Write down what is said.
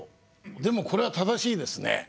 でもこれは正しいですね。